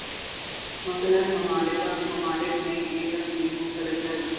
مختلف ممالک میں یہ تقسیم مختلف ہے۔